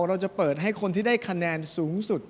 เราจะเปิดให้คนที่ได้คะแนนสูงสุด